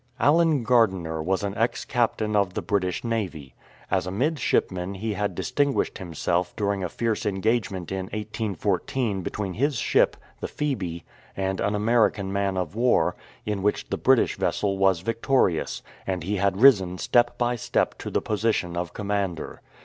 Allen Gardiner was an ex captain of the British Navy. As a midshipman he had distinguished himself during a fierce engagement in 1814 between his ship, the Phoebe, and an American man of war, in which the British vessel \vas victorious ; and he had risen step by step to the posi tion of commander.